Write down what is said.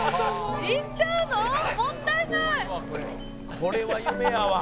「これは夢やわ」